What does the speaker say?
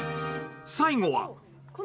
最後は。